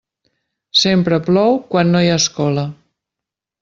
Sempre plou quan no hi ha escola.